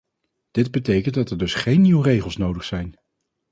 Dit betekent dat er dus geen nieuwe regels nodig zijn.